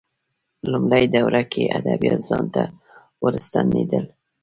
لومړۍ دوره کې ادبیات ځان ته ورستنېدل